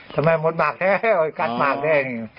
ทำไมมดกัดมากแท้